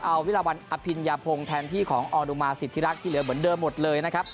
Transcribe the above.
เอาวิราวันอภิญญาพงศ์แทนที่ของออนุมาสิทธิรักษ์ที่เหลือเหมือนเดิมหมดเลยนะครับ